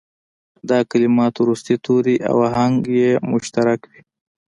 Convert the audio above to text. دا کلمات وروستي توري او آهنګ یې مشترک وي.